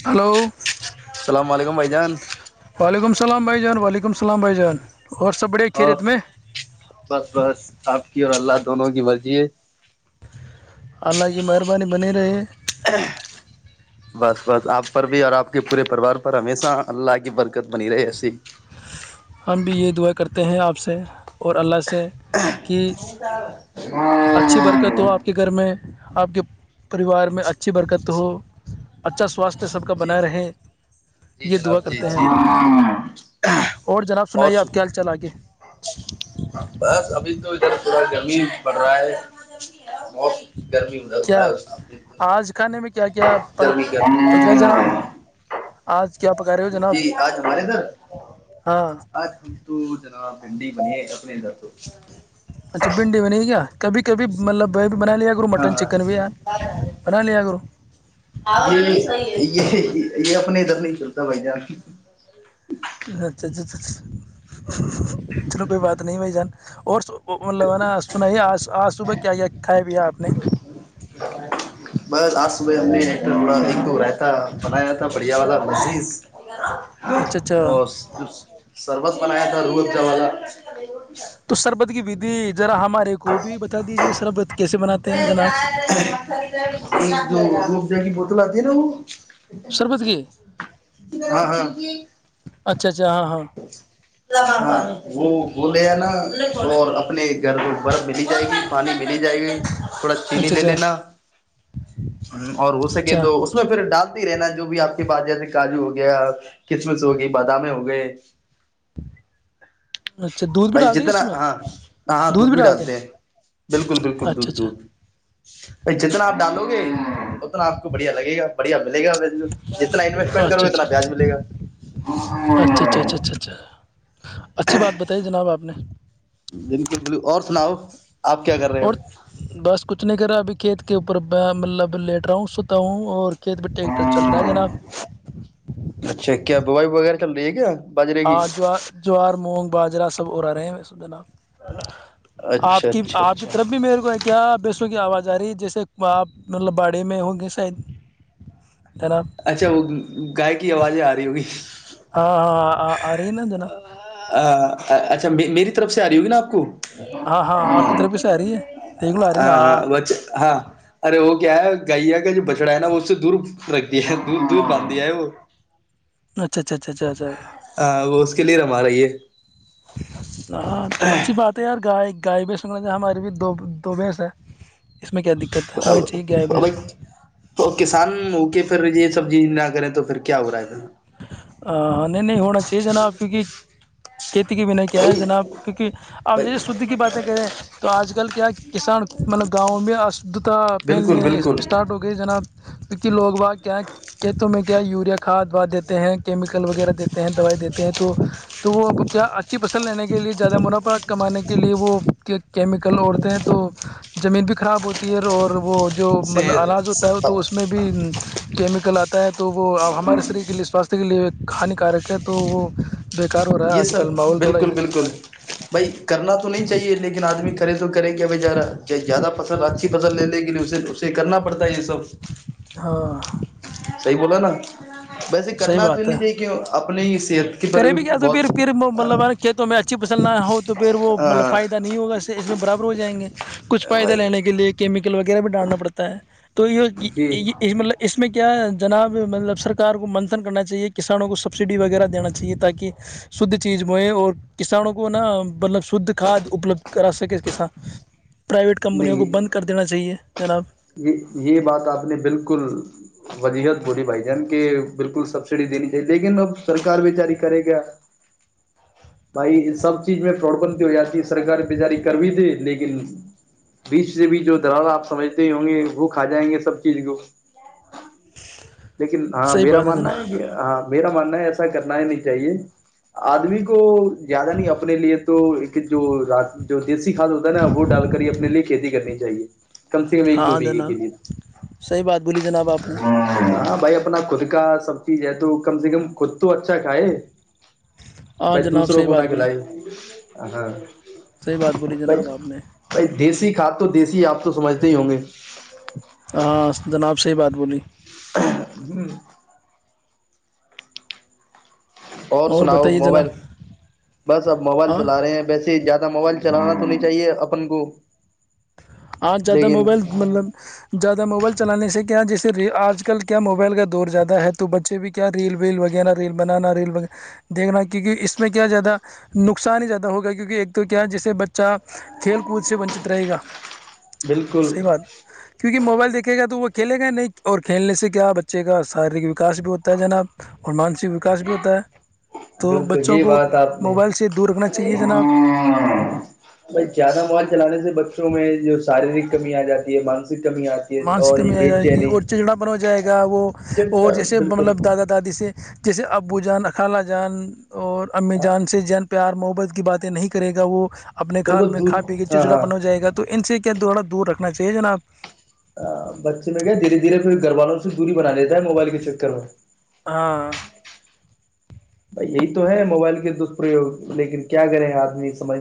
ج [inaudible] ہلو [unintelligible] ین [unintelligible] ولیکملام بائیجان [unintelligible] اور سب بڑے کھی اور رت میں بس بس آپ اور اللہ دونوں کی مرضی ہے [unintelligible] اللہ کی مہربانی بنی رہے بس بس آپ پر بھی اور آپ کے پورے پریوار پر ہمیشہ اللہ کی برکت بنی رہے ایسی [unintelligible] ہم بھی یہ دعا کرتے ہیں آپ سے اور اللہ سے کہ ہاں [unintelligible] تو آپ کے گھر میں آپ کے پریوار میں اچھی برکت ہو اچھا سواستھ سب کا جی بناائے رہے [unintelligible] جی جناب دعا جی کرتے ج ہیں اللہ [unintelligible] اور جناب سنائیے آپ کیال چل آ گے پورا زمین پڑ رہا ہے [unintelligible] بت گرمی ہو گ کیا ہے آج کھانے میں کیا کیا گرمی [unintelligible] پکڑا جناب آج [inaudible] جناب جی آج ہمارےدھر ہاں آج ہم تو جناب [inaudible] ہڈی ب اپنے جات [inaudible] اچھا بھنڈی ب نہیں کیا [inaudible] کبھی کبھی مطلب [inaudible] مٹن چکن بھی یار بنا لیا کرو ہاںاں [inaudible] یہ اپنے ادھر نہیں چلتا بھائی جان [inaudible] [inaudible] چلو کوئی بات نہیں بھائی جان اور مطلب ہے نا سنائیے آج [inaudible] آ صبح کیا [inaudible] کھائے پیا آپ نے بس آج صبح ہم نے ایکٹر تھوڑا ایک دو راتا بنایا تھا بڑھیا والا مزز اچھا اچھا اور [unintelligible] سربت منا آیا تھا روب ج بازا تو سربت کی ودھی ذرا ہمارے کو بھی بتا دیجیے سرب مک جا ب لاتتیی شربت کی نہا اچھا اچھا ہاں ہاں وہ [inaudible] ہاں ہاں [inaudible] وہ بولے ہے نا اور اپنے گھر میں برف ملی جائے گی پانی ملی جائے گی تھوڑا چینی اچھا لے اچھا لینا اور ہو سکے اچھا تو اس میں پھر ڈال ہی رہنا جو بھی آپ کے پاس جیسے کاجو ہو گیا کسمش ہو گئی بادامے ہو گئے اچھا دودھ بھی بھائی ڈال دیں گے جتنا اس میں ہاں ہ ہاں دودھ بھی ڈالتے ہیں بالکل بالکل اچھا دودھ دودھ اچھا ب جتنا آپ ڈالو گے اتنا آپ کو بڑھیا لگے گا بڑھیا ملے گا جتنا انوسٹمنٹ کرو اچھا اتنا اچھا بیاج اچھا ملے گا اچھا اچھا اچھا اچھا اچھی بات بتائی جناب آپ نے جنک ب اور سناؤ آپ کیا کر رہے اور ہو بس کچھ نہیں کر رہا ابھی کھیت کے کے اوپر مطلب لیٹ رہا ہوں ستا ہوں اور کھیت بھی ٹرٹر چل رہا ہے جناب دوائی وغیرہ چل رہی ہے کیا باجرے ہ کی جو جور مونگ باجرا سب ا رہا رہے ہیں اس دن آپ [unintelligible] اچھا آپ کی اچھا آپ کی اچھا طرف بھی میرے کو ہے کیا بیسوں کی آواز جا رہی جیسے آپ مطلب باڑی میں ہوں گے شاید جناب اچھا وہ گائے کی کی آوازیں آ رہی ہوگی ہاں ہاںاں آ رہ نا جنا اچھا میری طف سے آ رہی ہوگی ناپ کو [unintelligible] آپ کی ہاں طرف بھی سے آ رہی ہے دیکھ لو آ رہی ہے نا ہاں وچے ہاں ارے وہ کیا ہے گائیا کا جو بچڑا ہے نا وہ اس سے دور رکھ ت ت پاتد ہے وہ [unintelligible] اچھا اچھا اچھ اچھ اچا ہاں وہ اس کے لیے رما رہی ہے ہاں تو اچھی بات ہے یار گائے گائے بھی سن رہ ہماری بھی دو دوبس ہے میں کیا دقت ہے ہونی چاہیے گائے بھینس بھائی تو۔ تو کسان اوکے پ رجے سبزی نہ کریں تو پھر کیا ہو رہا ہے تھا ہاں نہیں نہیں ہونا چاہیے نابپ کیونکہ کھیتی کے بنا کیا ہے پھر جناب کیونکہ اب بھائی جیسے شدھ کی باتیں کریں تو آج کل کیا کسان مطلب گاؤں میں اشدھتا بالکل پھیلنے بالکل اسٹارٹ ہو گئی جناب کیکہ لوگ با کیا کہ تمہیں کیا یوریا کھاد دوا دیتے ہیں کیمیکل وغیرہ دیتے ہیں دوائی دیتے ہیں تو وہ کیا اچھی فصل لینے کے لیے زیادہ منافع کمانے کے لیے وہ کیمیکل اوڑھتے ہیں تو زمین بھی خراب ہوتی ہے اور وہ [unintelligible] جو مطلب انلاج ہوتا ہے ہو صحت تو اس میں بھی کیمیکل گلاتا ہے تو وہب ہمارے سری کی لسٹ سواستھ کے لیے ایک ہانیکارک ہے تو وہ بیکار ہو رہا ہے یہ آج سر کل ماحول تھوڑا بالکل ایسا چل بالکل رہا ہے بھائی کرنا تو نہیں چاہے لیکن آدمی کرے تو کریں کیا بھ جارا زیادہ فصل اچھی فصل لے گی نہیں اسے اس سے کرنا پڑتا ہے یہ سب ہاں صحیح بولا نا ہ [unintelligible] ویسے صحیح کرنا تو بات ہے نہیں چاہے کیوں اب پولیس حت کی پر بھی تو پھر بہت پھر ہاں مطلب کہ تیں اچھی پسل نہ ہو تو پھر وہ مطلب فائدہ نہیں ہوگا اس میں برابر ہو جائیں گے کچھ فائدہ بھائی لینے کے لیے کیمیکل وغیرہ بھی ڈالنا پڑتا ہے تو جی یہ مطلب اس میں کیا جناب مطلب سرار کو منتن کرنا چاہیے کسانوں کو سبسڈی وغیرہ دین چاہیے چاہیے تاکہ شدھ چیز مئے اور کسانوں کو نا مطلب شدھ کھاد اپلبدھ کرا سکے کسان پرائیویٹ کمپنیوں کو نہیں بند کر دینا چاہیے جناب یہ یہ بات آپ نے بالکل وجیحت بولی بھائی جان کے بالکل سبسڈی دینی چاہیے لیکن اب سرک بیچاری کرے گ بھائی سب چیز میں فراڈ بنتی ہو جاتی ہے سرک بیچاری کر بھی تھی لیکن بیچ سے بیچ جو درال آپ سمج ہوں گے وہ کھا جائیں گے سب چیز کو لیکن ہاں صحیح میرا بات ماننا ہے جناب کہ ہاں میرا ماننا ایسا کرنا ہی نہیں چاہیے آدمی کو زیادہ نہیں اپنے لیے تو جو دیسی کھاد ہوتا ہے نا وہ ڈال کر ہی اپنے لیے کھیتی کرنی چاہیے کم سے کم ایک دو ہاں بیگھے کے جناب لیے صحیح بات بولی جناب آپ نے ہاں بھائی اپنا خود کا سب چیز ہے تو کم سے کم خود تو اچھا کھائے ہاں بائی جناب دوسروں صحیح کو نہ بات بولی کلائی ہاں صحیح بات بولی بھائی جناب آپ نے بھائی دیسی کھاد تو دیسی ہے آپ تو سمجھتے ہی ہوں گے ہاں جناب سے ہی بات بولی ہوں [unintelligible] اور سناؤ بتائیے جناب موبائل بس اب موبائل ہاں چلا رہے ہیں ویس ہی زیادہ موبائل چلانا تو نہیں چاہیے اپن کو آ زدہ لیکن موبائل مب زیادہ موبل چلانے سے کیا جیسے ریل آج کل کیا موبائل کا دور زیادہ ہے تو بچے بھی کیا ریل ویل وغیرہ ریل بنانا ریل دھنا کیونکہ اس میں کیا زیادہ نقصان ہی زیادہ ہوگا کیونکہ ایک تو کیا ہے جسے بچہ کھیل کود سے ونچت رہے گا بالکل صحیح بات کیونکہ موبائل دیکھے گا تو وہ کھیلے گا نہیں اور کھیلنے سے کیا بچے کا شارییرک وکاس بھی ہوتا ہے جناب اور مانسک وکاس بھی ہوتا ہے تو بالکل بچوں یہی کو بات آپ نے موبائل سے دور رکھنا چاہیے جناب بائی زیادہ موبائل چلانے سے بچے میں جو شاریرک کمی آ جی ہے مانسک کمی آتی ہے مانس اور یہ کمی آ بے جائے گی چینی اور چچڑا بن ہو جائے گا وہ چڑ اور جیسے بالکل مطلب دادا دادی سے جیسے ابو جان اخالہ جان اور امی ہاں جان سے جنپ پیار محبت کی باتیں نہیں کرے گا وہ اپنے پھر وہ کال میں دور کھا پی کے ہاں چچڑا ہاں پن ہو جائے گا تو ان سے کہ دو تھڑا دور رکھنا چاہیے جناب بچے میں گیا دھیر دھیرے پھر گھر والوں سے دوری بنا لیتا ہے موبائل کے چکر میں ہاں بھائی یہی تو ہے موبائل کے دپرریوگ لیکن کیا کریں آدمی سمجھ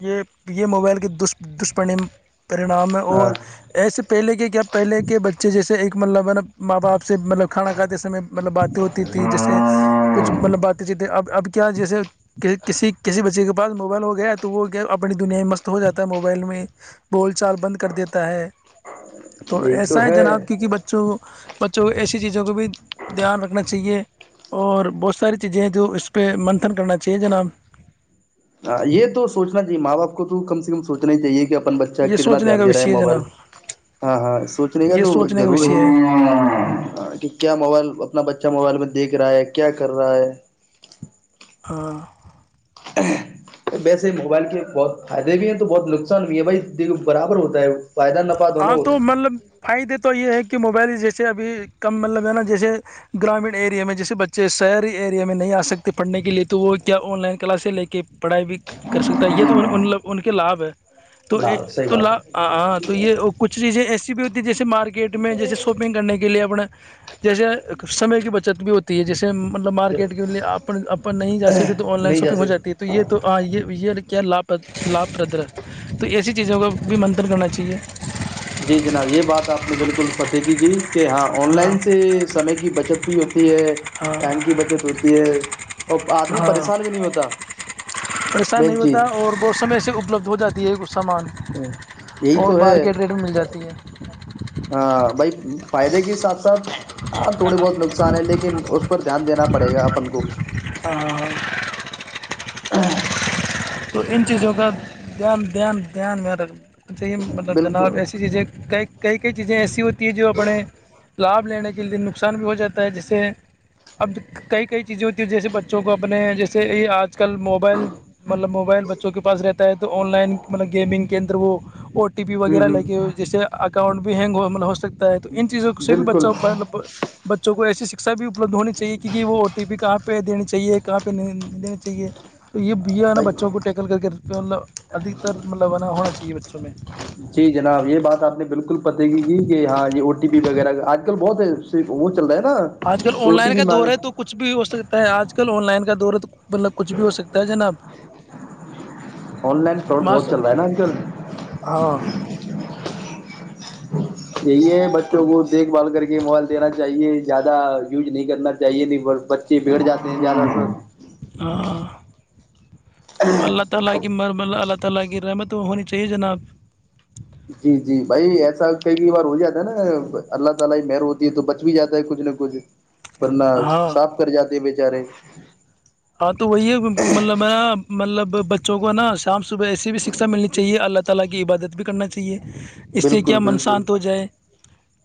یہ یہ موبائل کی دشپ جسپٹم [unintelligible] پرینام ہے ہاں اور ایسے پہلے کے کیا پہلے کے بچے جیسے سے ایک مطلب ماں باپ سے مطلب کھانا کھاتے سمے مطلب باتیں ہوتی تیں جیسے کچھ مطلب باتیں چی تھیں اب اب کیا جیسے کسی کسی بچے کے پاس موبائل ہو گیا تو وہ کیا اپنی دنیا میں مست ہو جاتا ہے موبائل میں بول چال بند کر دیتا ہے تو ایسا ہے جناب کیونکہ بچوں بچوں کو ایسی چیزوں کو بھی دھیان رکھنا چاہیے اور بہت ساری چیزیں ہیں جو اس پہ منتھن کرنا چاہیے جناب اں یہ تو سوچنا چاہیے ماں باپ کو تو کم سے کم سوچنا ہی چاہیے کہ اپ بچہ یہ کتنا سوچنے دھیان کا دے رہا ہے وشے موبائل جناب ہاں ہاں سوچنے کا یہ تو سوچنے کا ضرور ہے وشے کہ کیا موبائل اپنا ب اچھا موبائل میں دیکھ رہا ہے کیا کر رہا ہے ہاں ویسے موبائل کے بہت فائدے بھی ہیں تو بہت نقصان بھی ہے بھائی دیک برابر ہوتا ہے فائدہ نفع ہاں دونوں ہوتا تو مطلب فائدے تو یہ ہے کہ کہ موبائل جیسے ابھی کم مطلب ہے نا جیسے گرامین ایریے میں جیسے بچے شہری ایریا میں نہیں آ سکتے پڑھنے کے لیے تو وہ کیا آن لائن کلاسیں لے کے پڑھائی بھی کر سکتا ہے یہ تو ان ل ان کے لابھ ہے تو لا یہ صحیح تو بات لا [unintelligible] تو یہ کچھ چیزیں ایسی بھی ہوتی جیے مارکٹ کیٹ میں جیسے شاپنگ کرنے کے لیے اپنا جیسے سمے کی بچت بھی ہوتی ہے جیسے مطلب ہے مارکیٹ کے لیے اپن اپن نہیں جا سکتے تو آن لائن نہیں جا شاپنگ ہو جاتی ہے سکتی تو یہ تو یہ کیا لابھ لابھ پررد ہے تو ایسی چیزوں کا بھی منتن کرنا چاہیے جی جناب یہ بات آپ نے بالکل فتح کی کی کہ ہاں آن لائن سے سمے کی بچت بھی ہوتی ہے ہاں ٹائم کی بچت ہوتی ہے اور آدمی ہاں پریشان بھی نہیں ہوتا پریشان نہیں بینچی ہوتا اور بہت سمے سے اپلبدھ ہو جی ہے اس [unintelligible] ا یہی تو ہے ریٹ میں مل جاتی ہے ہاں بائی [unintelligible] فائدے کے ساتھ [unintelligible] ساتھ ہاں تھوڑے بہت نقصان ہے لیکن اس پر دھیان دینا پڑے گا اپن کو ہاں ہاں [unintelligible] تو ان چیزوں کا دھیان دھیان دھیان میںیر ر چیے مطلب بالکل جناب ایسی چیزیں کی کئی کئی چیزیں ایسی ہوتی ہیں جو اپنے لابھ لینے کے لیے نقصان بھی ہو جاتا ہے جیسے اب کئی کئی چیزیں ہوتی ہیں جیسے بچوں کو اپنے جیسے آج کل موبائل مطلب موبائل بچوں کے پاس رہتا ہے تو آن لائن مطلب گیمنگ کے اندر وہ ٹی پی ہوں وغیرہ ہوں لگے ہوئے جسے ا اکؤنٹ بھی ہینگ مطل ہوک [unintelligible] ہے تو ان چیزوں سے بھی بالکل بچوں مطلب بچوں کو ایسی شکشا بھی اپلبدھ ہونی چاہیے کیکہ وہ او ٹی پی کہاں پہ دیی چاہیے کہاں پہ نہیں دیین چاہے تو یہ یہ ہے نا بچوں بھائی کو ٹیکل کر کے مطلب ادکتر مطلب ہے نا ہونا چاہیے بچوں میں جی جناب یہ بات آپ نے بالکل پت کی کی کہ ہاں یہ او ٹی پی وغیرہ آج کل بہت ہے چل رہا ہے آج نا کل آن او ٹی لائن پی کا دور ہے تو مانگ کچھ بھی ہو سکتا ہے آج آج کل آن لائن کا دورت مطلب کچھ بھی ہو سکتا ہے جناب آن لائن فراڈ بہت ماسٹر چل رہا ہے نا آج کل ہاں یہی ہے تو بچوں کو دیکھ بھ کر کے موبائل دینا چاہیے زیادہ یوز نہیں کرنا چاہیے بچے بیگھ جاتے ہیں زدہ سے [inaudible] جی جی بھائی ایسا لتا ہے کہ بار ہو جاتا ہے نا [inaudible] پرن ہاں صاف کر جاتے ب [unintelligible] جارے [unintelligible] ہاں تو وہی ہے مطلب ہے [unintelligible] [unintelligible] اس سے بالکل کیا من بالکل شانت ہو جائے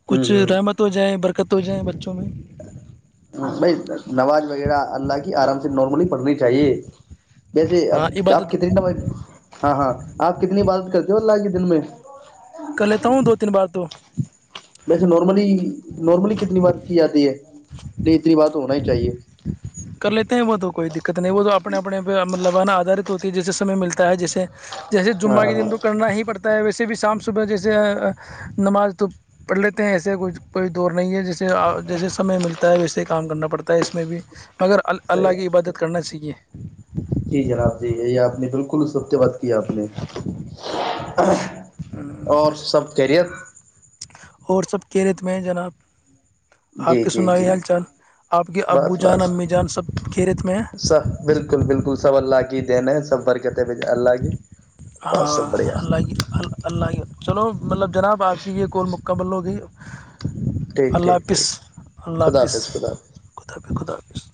کچھ ہوں رحمت ہو جائے برک کت ہو جائیں بچوں میں بائی نواز وغیرہ اللہ کی آرام سے نارملی پڑھنی چاہیے ویسے اب ہاں آپ عبادت کتنی ہاں ہاں آپ کتنی عادت کرتے ہو اللہ کی دن میں [unintelligible] کر لیتا ہوں دو تین بار تو ویسے نارملی نارملی کتنی بات کی جاتی ہے نہیں اتنی بات ہونا ہی چاہیے [unintelligible] کر لیتے ہیں وہ تو کوئی دقت نہیں وہ تو اپنے اپنے پہ لبانا آدارت ہوتی ہے جیسے سمے ملتا ہے جیسے جیسے ہاں جمہ کی ہاں دد تو کرنا ہی پڑتا ہے ویسے بھی شام صبح جیسے نماز تو پڑھ لیتے ہیں ایسے کوئی دور نہیں ہے جیسے جیسے سے ملتا [unintelligible] ویسے کام کرنا پڑتا ہے اس میں بھی مگر ال صحیح اللہ ہے کی عبادت کرنا چاہیے جی جناب جی یہی آپ نے بالکل اس ہفتے بات کی آپ نے اور سب کرریت ہاں [unintelligible] اور سب کیرت میں جناب جی آپ کی جی سنائی جی حال چال آپ کے بس ابو جان بس امی جان سب کھیریت میں ہیں سب بالکل بالکل سب اللہ کی دین ہے سب برکت ہے بجے اللہ کی بس ہاں سب بڑھیا اللہ اللہ اللہ چلو مطلب جناب آپ کی یہ کابلو کہ ٹھیک اللہ ٹھیک حاپظ ٹھیک اللہ خدا حاپظ حافظ خدا حافظ حظ خدا حافظ